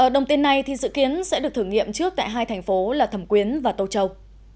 đồng tiền này dự kiến sẽ được thử nghiệm trước tại hai thành phố là thẩm quyến và tô châu